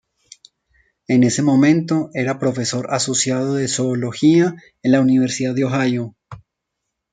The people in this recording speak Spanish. En ese momento, era profesor asociado de zoología en la Universidad de Ohio.